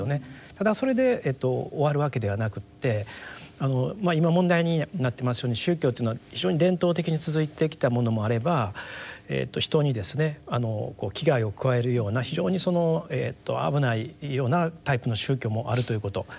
ただそれで終わるわけではなくて今問題になってますように宗教っていうのは非常に伝統的に続いてきたものもあれば人にですね危害を加えるような非常に危ないようなタイプの宗教もあるということ。